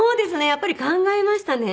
やっぱり考えましたね。